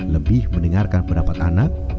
lebih mendengarkan pendapat anak